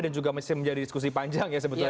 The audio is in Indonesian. dan juga masih menjadi diskusi panjang ya